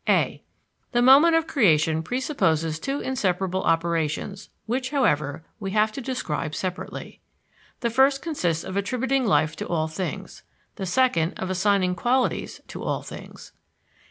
a. The moment of creation presupposes two inseparable operations which, however, we have to describe separately. The first consists of attributing life to all things, the second of assigning qualities to all things.